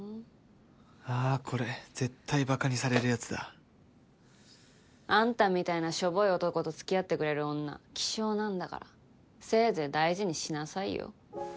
あぁこれ絶対バカにされるやつだあんたみたいなショボい男と付き合ってくれる女希少なんだからせいぜい大事にしなさいよ。